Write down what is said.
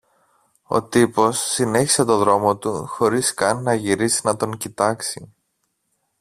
Ο τύπος συνέχισε το δρόμο του χωρίς καν να γυρίσει να τον κοιτάξει